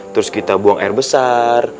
terus kita buang air besar